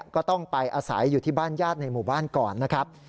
ก็ต้องไปอาศัยอยู่ที่บ้านญาติในหมู่บ้านก่อนนะครับ